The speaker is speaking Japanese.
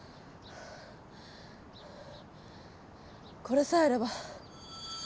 これさえあれば。